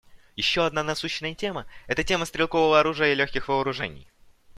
Еще одна насущная тема — это тема стрелкового оружия и легких вооружений.